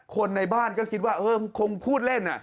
คนในบ้านก็คิดว่าเออคงพูดเล่น